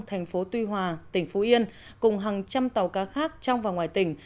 thành phố tuy hòa tỉnh phú yên cùng hàng trăm tàu cá khác trong và ngoài tỉnh